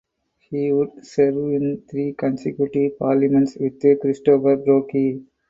He would serve in three consecutive Parliaments with Christopher Brooke.